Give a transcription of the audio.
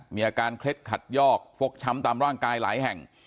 มีอาการเคล็ดขัดยอกฟกช้ำตามร่างกายหลายแห่ง